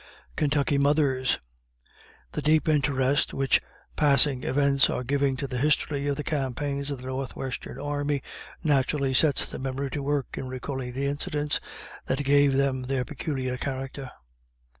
KENTUCKY MOTHERS. "The deep interest which passing events are giving to the history of the campaigns of the North Western Army, naturally sets the memory to work in recalling the incidents that gave them their peculiar character.